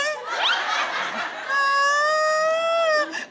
เอาแดด